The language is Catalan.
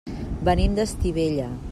Venim d'Estivella.